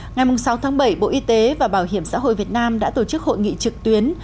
ngày sáu tháng bảy bộ y tế và bảo hiểm xã hội việt nam đã tổ chức hội nghị trực tuyến